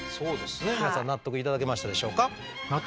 皆さん納得頂けましたでしょうか？